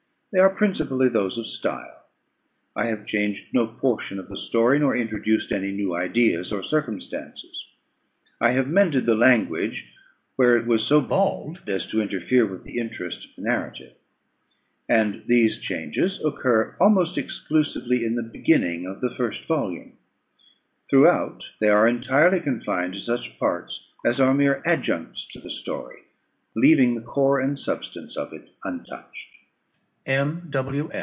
They are principally those of style. I have changed no portion of the story, nor introduced any new ideas or circumstances. I have mended the language where it was so bald as to interfere with the interest of the narrative; and these changes occur almost exclusively in the beginning of the first volume. Throughout they are entirely confined to such parts as are mere adjuncts to the story, leaving the core and substance of it untouched. M.